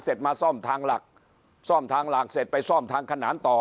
มาซ่อมทางหลักซ่อมทางหลักเสร็จไปซ่อมทางขนานต่อ